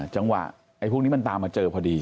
จังหวะไอ้พวกนี้มันตามมาเจอพอดี